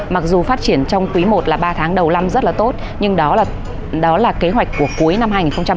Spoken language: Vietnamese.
mặc dù phát triển trong quý i là ba tháng đầu năm rất là tốt nhưng đó là kế hoạch của cuối năm hai nghìn hai mươi